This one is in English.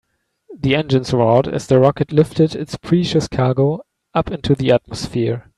The engines roared as the rocket lifted its precious cargo up into the atmosphere.